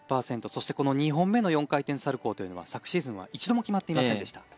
そしてこの２本目の４回転サルコーというのは昨シーズンは一度も決まっていませんでした。